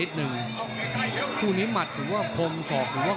ต้องออกครับอาวุธต้องขยันด้วย